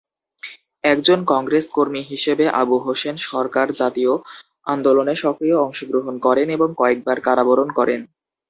একজন কংগ্রেস কর্মী হিসেবে আবু হোসেন সরকার জাতীয় আন্দোলনে সক্রিয় অংশগ্রহণ করেন এবং কয়েকবার কারাবরণ করেন।